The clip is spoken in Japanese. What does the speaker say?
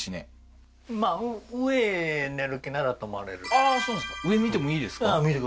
ああーそうなんですか